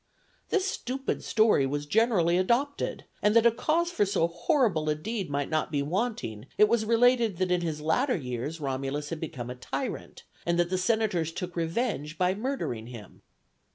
This stupid story was generally adopted, and that a cause for so horrible a deed might not be wanting, it was related that in his latter years Romulus had become a tyrant, and that the senators took revenge by murdering him.